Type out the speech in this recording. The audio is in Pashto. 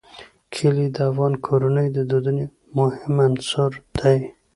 کلي د افغان کورنیو د دودونو مهم عنصر دی.